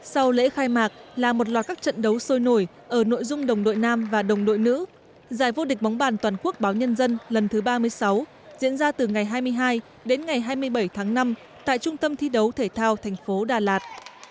sau lễ khai mạc là một loạt các trận đấu sôi nổi ở nội dung đồng đội nam và đồng đội nữ giải vô địch bóng bàn toàn quốc báo nhân dân lần thứ ba mươi sáu diễn ra từ ngày hai mươi hai đến ngày hai mươi bảy tháng năm tại trung tâm thi đấu thể thao thành phố đà lạt